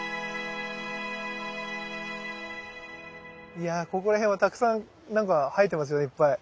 いやここら辺はたくさん何か生えてますよねいっぱい。